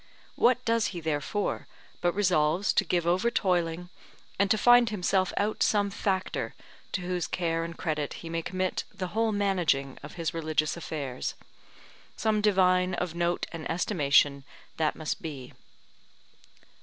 What does he therefore, but resolves to give over toiling, and to find himself out some factor, to whose care and credit he may commit the whole managing of his religious affairs; some divine of note and estimation that must be.